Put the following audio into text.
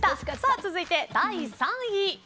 続いて、第３位。